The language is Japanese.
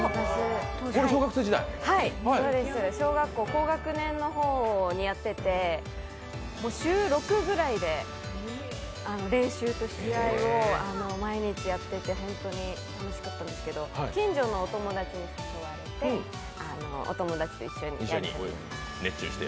小学校高学年のころにやってて、週６ぐらいで練習と試合を毎日やってて本当に楽しかったんですけど、近所のお友達に連れられてお友達と一緒に。